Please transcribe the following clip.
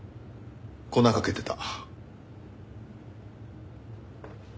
粉かけてた。